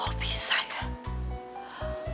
kok bisa ya